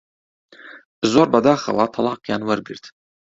زۆر بەداخەوە تەڵاقیان وەرگرت